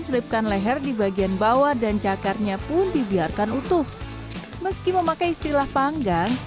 selipkan leher di bagian bawah dan cakarnya pun dibiarkan utuh meski memakai istilah panggang